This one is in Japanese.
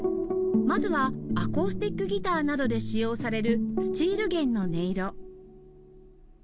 まずはアコースティックギターなどで使用されるスチール弦の音色